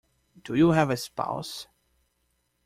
Do you have a spouse?